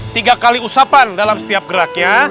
tiga kali usapan dalam setiap geraknya